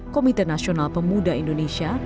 komite nasional pemuda indonesia